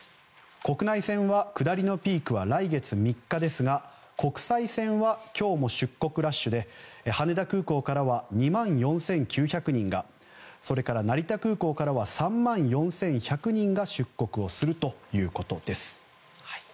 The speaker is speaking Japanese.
国内線は下りのピークは来月３日ですが国際線は今日も出国ラッシュで羽田空港からは２万４９００人がそれから成田空港からは３万４１００人が出国をするということです。